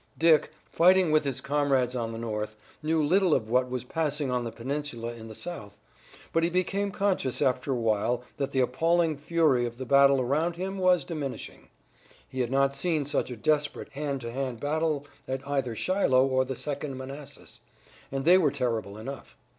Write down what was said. Dick, fighting with his comrades on the north, knew little of what was passing on the peninsula in the south, but he became conscious after a while that the appalling fury of the battle around him was diminishing. He had not seen such a desperate hand to hand battle at either Shiloh or the Second Manassas, and they were terrible enough.